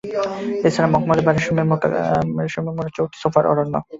এ ছাড়া মকমলে বা রেশমে মোড়া চৌকি-সোফার অরণ্য।